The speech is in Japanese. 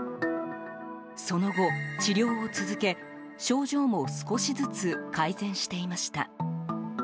その後、治療を続け症状も少しずつ改善していました。